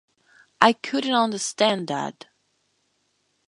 "I couldn't understand that".